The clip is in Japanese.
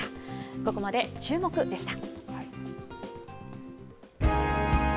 ここまでチューモク！でした。